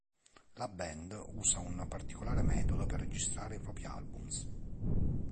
La band usa un particolare metodo per registrare i propri albums.